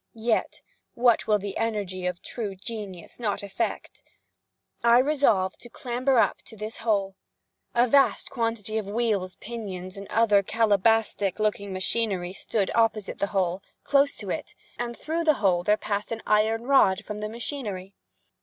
Yet what will the energy of true genius not effect? I resolved to clamber up to this hole. A vast quantity of wheels, pinions, and other cabalistic looking machinery stood opposite the hole, close to it; and through the hole there passed an iron rod from the machinery.